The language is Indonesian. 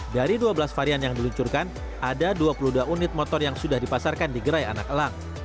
dari dua belas varian yang diluncurkan ada dua puluh dua unit motor yang sudah dipasarkan di gerai anak elang